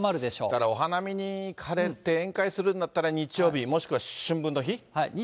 だからお花見に行かれて宴会するんだったら日曜日、もしくは春分の日。